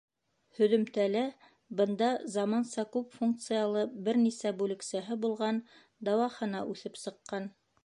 Һөҙөмтәлә бында заманса, күп функциялы, бер нисә бүлексәһе булған дауахана үҫеп сыҡҡан.